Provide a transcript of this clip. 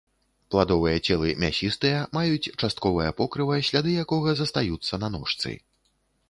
Пладовыя целы мясістыя, маюць частковае покрыва, сляды якога застаюцца на ножцы.